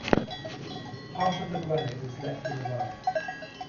Part of the granite was left in the rough.